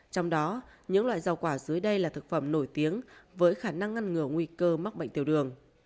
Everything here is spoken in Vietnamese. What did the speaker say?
trong đó những loại rau quả dưới đây là thực phẩm nổi tiếng với khả năng ngăn ngừa nguy cơ mắc bệnh tiểu đường